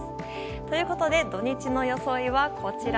ということで、土日の装いはこちら。